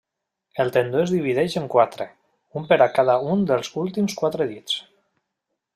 El tendó es divideix en quatre, un per a cada un dels últims quatre dits.